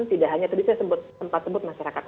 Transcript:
tidak hanya tadi saya sempat sebut masyarakat